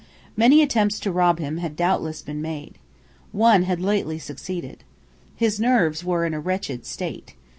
Many attempts to rob him had doubtless been made. One had lately succeeded. His nerves were in a wretched state.